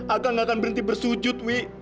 agak gak akan berhenti bersujud wi